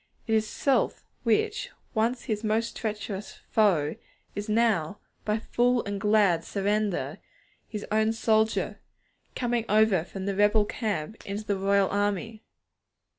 It is Self which, once His most treacherous foe, is now, by full and glad surrender, His own soldier coming over from the rebel camp into the royal army.